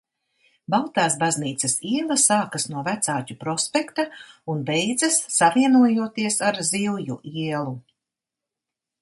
Baltāsbaznīcas iela sākas no Vecāķu prospekta un beidzas savienojoties ar Zivju ielu.